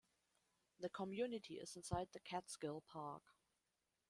The community is inside the Catskill Park.